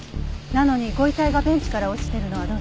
なのにご遺体がベンチから落ちてるのはどうして？